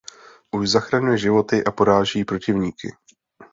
Už zachraňuje životy a poráží protivníky.